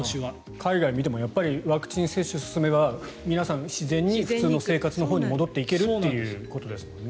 海外を見てもワクチン接種が進めば皆さん自然に普通の生活のほうに戻っていけるということですよね。